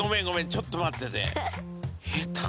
ちょっと待ってて。